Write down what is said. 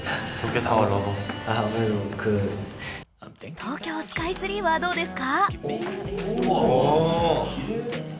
東京スカイツリーはどうですか？